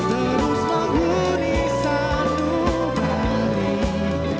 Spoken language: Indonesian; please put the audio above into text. terus mengguni sandu balik